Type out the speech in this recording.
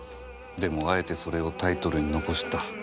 でもあえてそれをタイトルに残した。